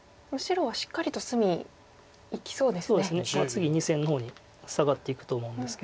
次２線の方にサガっていくと思うんですけど。